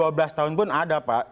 kasus yang dua belas tahun pun ada pak